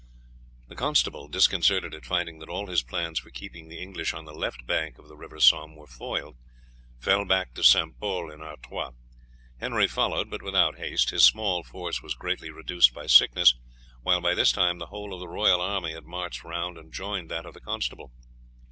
The constable, disconcerted at finding that all his plans for keeping the English on the left bank of the river were foiled, fell back to St. Pol in Artois. Henry followed, but without haste. His small force was greatly reduced by sickness, while by this time the whole of the royal army had marched round and joined that of the constable.